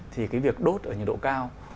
thì cái việc đốt ở nhiệt độ cao